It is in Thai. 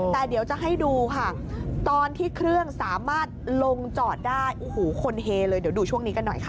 แต่เดี๋ยวจะให้ดูค่ะตอนที่เครื่องสามารถลงจอดได้โอ้โหคนเฮเลยเดี๋ยวดูช่วงนี้กันหน่อยค่ะ